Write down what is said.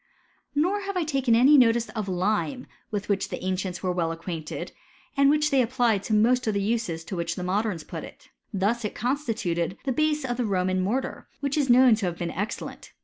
Nor have I taken any notice of lime with which the ancients were well acquainted, and which they applied to most of the uses to which the modems put it. Thus it constituted the base of the Roman mortar, which is known to have been excellent.